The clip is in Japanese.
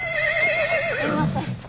すいません。